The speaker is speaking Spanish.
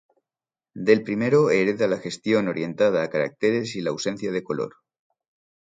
Del primero hereda la gestión orientada a caracteres y la ausencia de color.